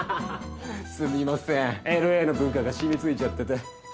すみませんＬＡの文化が染みついちゃってて。